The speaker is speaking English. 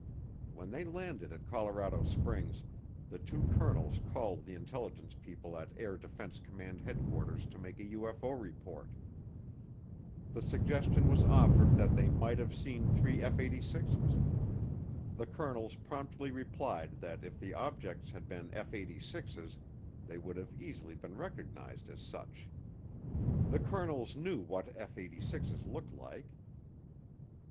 When they landed at Colorado Springs, the two colonels called the intelligence people at Air Defense Command Headquarters to make a UFO report. The suggestion was offered that they might have seen three F 86's. The colonels promptly replied that if the objects had been F 86's they would have easily been recognized as such. The colonels knew what F 86's looked like.